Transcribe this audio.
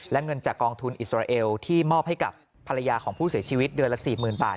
และเงินจากกองทุนอิสราเอลที่มอบให้กับภรรยาของผู้เสียชีวิตเดือนละ๔๐๐๐บาท